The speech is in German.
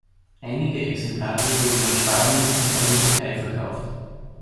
Einige Exemplare wurden nach Spanien und an die Türkei verkauft.